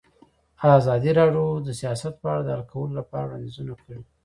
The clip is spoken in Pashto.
ازادي راډیو د سیاست په اړه د حل کولو لپاره وړاندیزونه کړي.